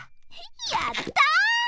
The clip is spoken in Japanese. やったぁ！